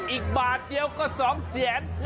อีกบาทเดียวก็๒แสน